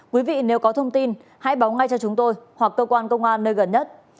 quý vị nếu có thông tin hãy báo ngay cho chúng tôi hoặc cơ quan công an nơi gần nhất